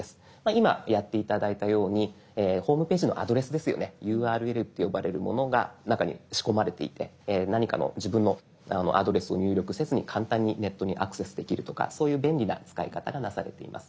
今やって頂いたようにホームページのアドレスですよね「ＵＲＬ」って呼ばれるものが中に仕込まれていて何かの自分のアドレスを入力せずに簡単にネットにアクセスできるとかそういう便利な使い方がなされています。